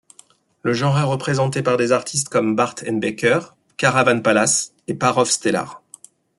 Le genre est représenté par des artistes comme Bart&Baker, Caravan Palace et Parov Stelar.